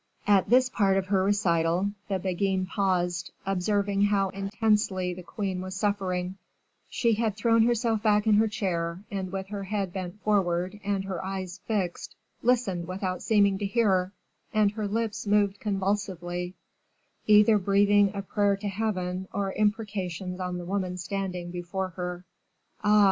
'" At this part of her recital, the Beguine paused, observing how intensely the queen was suffering; she had thrown herself back in her chair, and with her head bent forward and her eyes fixed, listened without seeming to hear, and her lips moving convulsively, either breathing a prayer to Heaven or imprecations on the woman standing before her. "Ah!